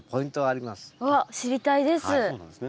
あっ知りたいです。